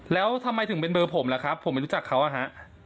แล้วทำไมถึงเป็นเบอร์ผมล่ะครับผมไม่รู้จักเขาอะฮะ